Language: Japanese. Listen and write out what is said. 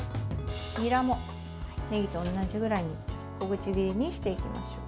にらも、ねぎと同じくらいに小口切りにしていきましょう。